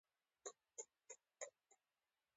د ځوانانو د شخصي پرمختګ لپاره پکار ده چې کورنۍ پیاوړې کړي.